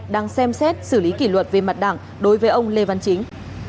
đang xem xét xử lý kỷ luật về mặt đảng đối với ông lê văn chính